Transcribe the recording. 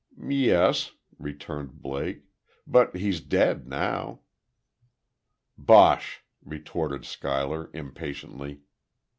"Yes," returned Blake. "But he's dead, now." "Bosh," retorted Schuyler, impatiently.